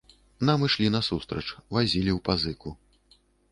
Нам ішлі насустрач, вазілі ў пазыку.